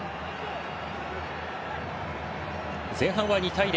前半は２対０。